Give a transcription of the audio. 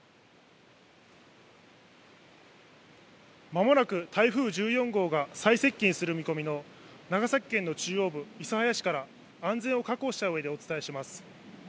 まもなく台風１４号が最接近する見込みの、長崎県の中央部、諫早市から、安全を確保したうえでお伝えします。